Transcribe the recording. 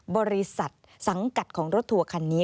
บริษัทสังกัดของรถทัวร์คันนี้